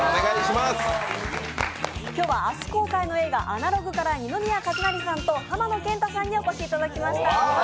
今日は明日公開の映画「アナログ」から二宮和也さんと浜野謙太さんにお越しいただきました。